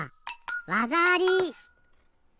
わざあり！